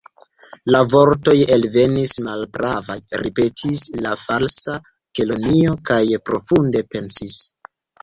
"La vortoj elvenis malpravaj," ripetis la Falsa Kelonio, kaj profunde pensis.